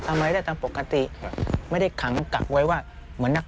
ทำไว้ได้ตามปกติไม่ได้ขังกลับไว้ว่า